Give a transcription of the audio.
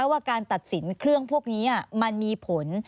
ว่าการตัดสินเครื่องพวกนี้มันมีผล